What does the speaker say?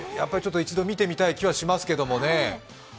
一度見てみたい気はしますけど。